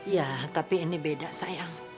ya tapi ini beda sayang